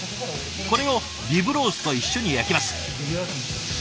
これをリブロースと一緒に焼きます。